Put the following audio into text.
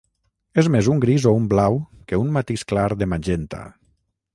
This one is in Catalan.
És més un gris o un blau que un matís clar de magenta.